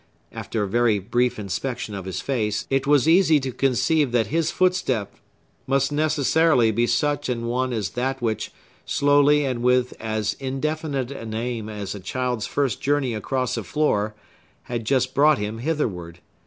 After a very brief inspection of his face, it was easy to conceive that his footstep must necessarily be such an one as that which, slowly and with as indefinite an aim as a child's first journey across a floor, had just brought him hitherward.